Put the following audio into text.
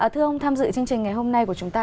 thưa ông tham dự chương trình ngày hôm nay của chúng ta